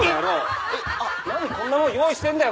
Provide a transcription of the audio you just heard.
何こんなもん用意してんだよ？